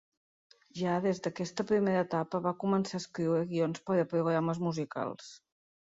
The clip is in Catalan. Ja des d'aquesta primera etapa va començar a escriure guions per a programes musicals.